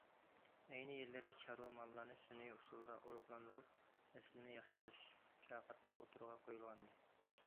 ئەينى يىللىرى چارۋا ماللارنى سۈنئىي ئۇسۇلدا ئۇرۇقلاندۇرۇپ، نەسلىنى ياخشىلاش چاقىرىقى ئوتتۇرىغا قويۇلغانىدى.